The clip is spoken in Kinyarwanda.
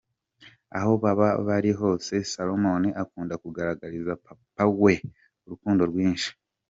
Aho baba bari hose Solomon akunda kugaragariza papa we urukundo rwinshi.